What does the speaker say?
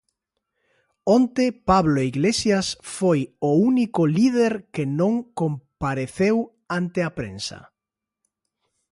Onte Pablo Iglesias foi o único líder que non compareceu ante a prensa.